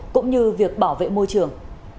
cũng như việc bảo vệ môi trường